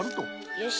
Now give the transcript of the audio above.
よし。